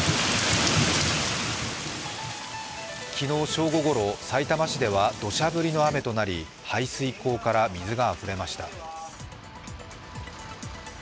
昨日正午ごろ、さいたま市では土砂降りの雨となり、排水溝から水があふれました。